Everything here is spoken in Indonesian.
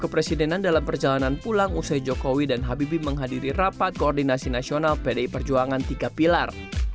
kepresidenan dalam perjalanan pulang usai jokowi dan habibie menghadiri rapat koordinasi nasional pdi perjuangan tiga pilar